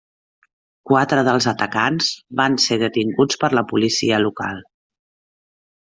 Quatre dels atacants van ser detinguts per la policia local.